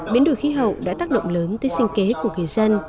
biến đổi khí hậu đã tác động lớn tới sinh kế của người dân